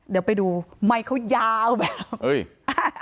เดี๋ยวไปดูไมค์เขายาวแบบเฮ้ย